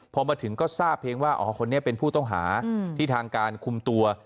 พอมาถึงก็ทราบเพียงว่าอ๋อคนนี้เป็นผู้ต้องหาที่ทางการคุมตัว